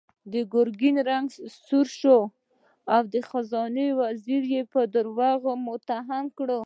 د ګرګين رنګ سور شو او د خزانې وزير يې په دروغو متهم کړ.